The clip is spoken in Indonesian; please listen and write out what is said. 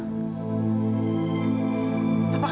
kamu mau pulang